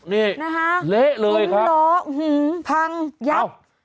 นี่เละเลยครับพังยักษ์ค่ะโอ้โหหือ